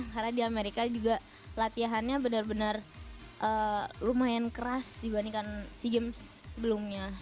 karena di amerika juga latihannya benar benar lumayan keras dibandingkan sea games sebelumnya